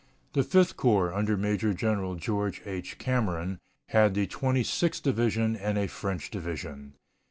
The Fifth Corps, under Major General George H. Cameron, had the Twenty sixth Division and a French division.